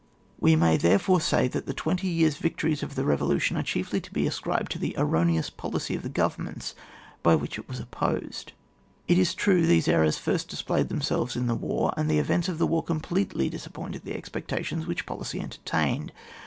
We may therefore say, that the twenty years' victories of the revolution are chiefly to be ascribed to the erroneous policy of the governments by which it was opposed. It is true these errors first displayed themselves in the war, and the events of the war completely disappointed the expectations which policy entertained.